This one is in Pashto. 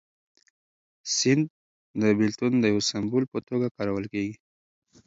سیند د بېلتون د یو سمبول په توګه کارول شوی.